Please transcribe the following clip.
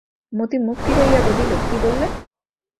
মতি মুখ ফিরাইয়া বলিল, কী বললে?